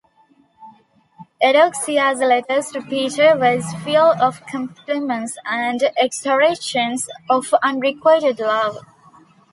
Eudoxia's letters to Peter were full of complaints and exhortations of unrequited love.